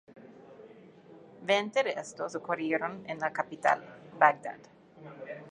Veinte de estos ocurrieron en la capital, Bagdad.